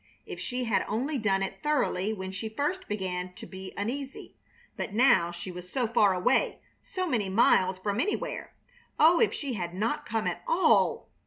If she had only done it thoroughly when she first began to be uneasy. But now she was so far away, so many miles from anywhere! Oh, if she had not come at all!